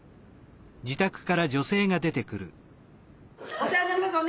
お世話になります。